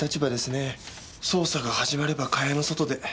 捜査が始まれば蚊帳の外で。